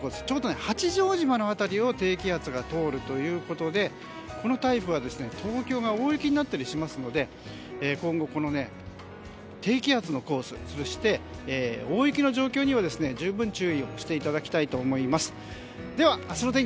ちょうど八丈島の辺りを低気圧が通るということでこのタイプは東京が大雪になったりしますので今後、低気圧のコースそして大雪の状況には十分に注意をしていただきたいと思います。